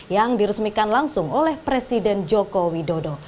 yang diresmikan langsung oleh presiden joko widodo